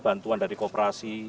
bantuan dari kooperasi